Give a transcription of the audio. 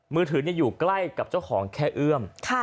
มือถืออยู่ใกล้กับเจ้าของแค่เอื้อม